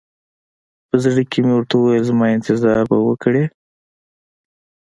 په زړه کښې مې ورته وويل زما انتظار به وکړې.